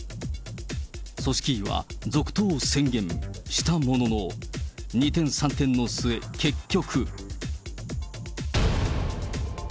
組織委は続投を宣言したものの、二転三転の末、結局。